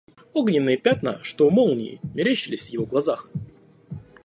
Огненные пятна, что молнии, мерещились в его глазах.